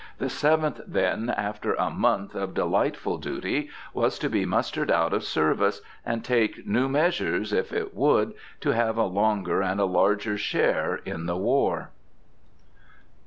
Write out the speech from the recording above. The Seventh, then, after a month of delightful duty, was to be mustered out of service, and take new measures, if it would, to have a longer and a larger share in the war.